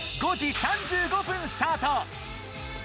５時３５分スタート！